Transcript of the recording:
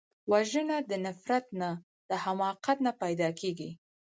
وژنه د نفرت نه، د حماقت نه پیدا کېږي